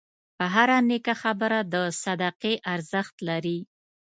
هره نیکه خبره د صدقې ارزښت لري.